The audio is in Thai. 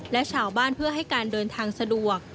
และชาวบ้านเพื่อให้การเดินทางสะดวก